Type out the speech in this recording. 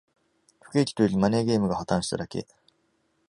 不景気というより、マネーゲームが破綻しただけ